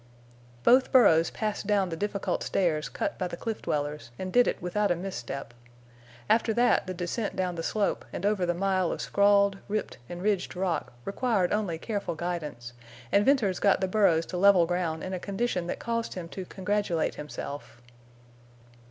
Both burros passed down the difficult stairs cut by the cliff dwellers, and did it without a misstep. After that the descent down the slope and over the mile of scrawled, ripped, and ridged rock required only careful guidance, and Venters got the burros to level ground in a condition that caused him to congratulate himself.